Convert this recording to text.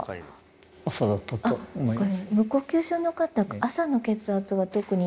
朝だったと思います